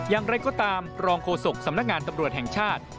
อย่างไรก็ตามรองโฆษกสำนักงานตำรวจแห่งชาติ